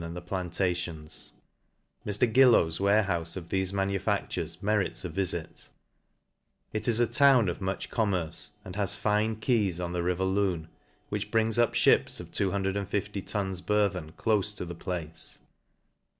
and the plantations. Mr. Gilkw's warehoufe o; thefe manufactures merits a vifit. It is a town of much commerce, and has fin< quays on the river Lune y which brings up fhips o £50 tons burthen clofe to the place.